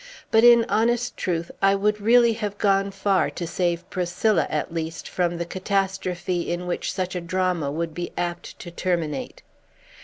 But, in honest truth, I would really have gone far to save Priscilla, at least, from the catastrophe in which such a drama would be apt to terminate.